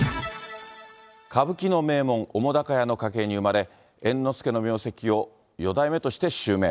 歌舞伎の名門、澤瀉屋の家系に生まれ、猿之助の名跡を四代目として襲名。